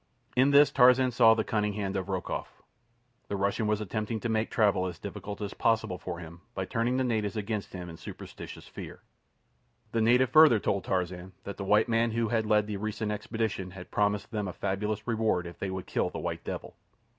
In this Tarzan saw the cunning hand of Rokoff. The Russian was attempting to make travel as difficult as possible for him by turning the natives against him in superstitious fear. The native further told Tarzan that the white man who had led the recent expedition had promised them a fabulous reward if they would kill the white devil.